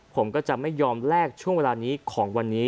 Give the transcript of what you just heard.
ผมก็จะไม่ยอมแลกช่วงเวลานี้ของวันนี้